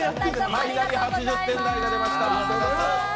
いきなり８０点台が出ました。